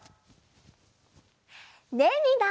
ねえみんな！